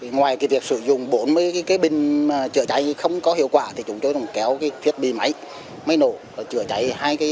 ngoài việc sử dụng bốn mươi bình chữa cháy không có hiệu quả chúng tôi kéo thiết bị máy nổ chữa cháy